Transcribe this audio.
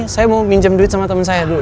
saya mau minjem duit sama temen saya dulu